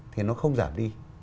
thì nó không giảm đi